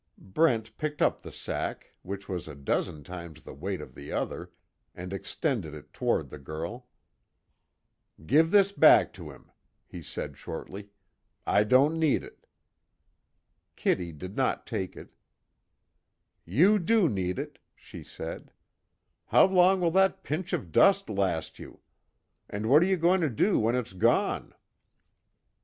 Brent picked up the sack, which was a dozen times the weight of the other, and extended it toward the girl: "Give this back to him," he said shortly. "I don't need it." Kitty did not take it: "You do too need it," she said, "How long will that pinch of dust last you? And what are you going to do when it's gone?"